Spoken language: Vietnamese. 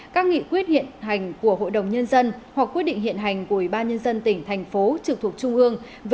các nghị quyết hiện hành của hội đồng nhân dân hoặc quyết định hiện hành của ủy ban nhân dân tỉnh thành phố trực thuộc trung ương